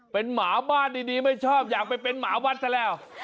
เป็นหมาบ้านดีไม่ชอบอยากไปเป็นหมาวัดซะแล้ว